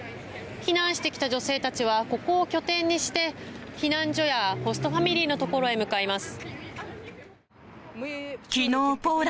避難してきた女性たちはここを拠点にして避難所やポストファミリーのところへ向かいます。